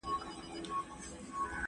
زه چي له خزان سره ژړېږم ته به نه ژاړې.